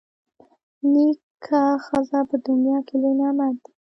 نېکه ښځه په دنیا کي لوی نعمت دی.